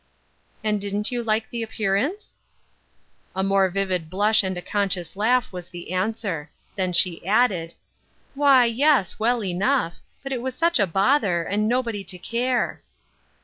" And didn't you like the appearance ?" A more vivid blush and a conscious laugh was the answer. Then she added :" Why, yes, well enough ; but it was such a bother, and nobody to care."